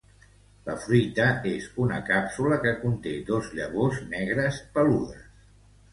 La fruita és una càpsula que conté dos llavors negres peludes.